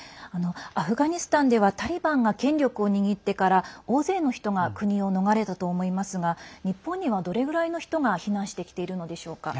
アフガニスタンではタリバンが権力を握ってから大勢の人が国を逃れたと思いますが日本にはどれぐらいの人が避難してきているのでしょうか。